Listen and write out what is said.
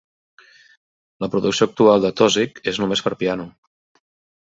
La producció actual de Tausig és només per a piano.